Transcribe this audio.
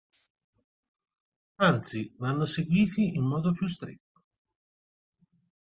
Anzi vanno seguiti in modo più stretto.